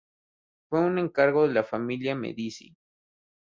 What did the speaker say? Fue un encargo de la familia Medici.